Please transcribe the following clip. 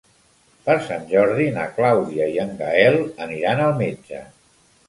Per Sant Jordi na Clàudia i en Gaël aniran al metge.